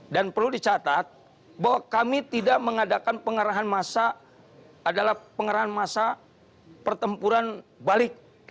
dan perlu dicatat bahwa kami tidak mengadakan pengarahan massa adalah pengarahan massa pertempuran balik